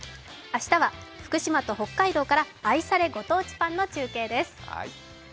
明日は福島と北海道から愛されご当地パンの中継です。